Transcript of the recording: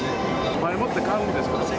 前もって買うんですけど。